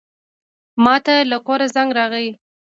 ماته له کوره زنګ راغی.